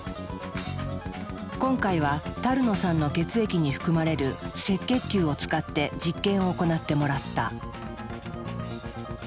今回は野さんの血液に含まれる赤血球を使って実験を行ってもらった。